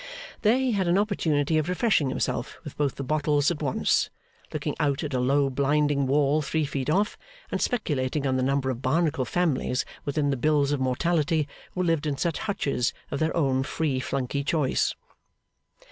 There he had an opportunity of refreshing himself with both the bottles at once, looking out at a low blinding wall three feet off, and speculating on the number of Barnacle families within the bills of mortality who lived in such hutches of their own free flunkey choice.